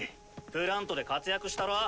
プラントで活躍したろ。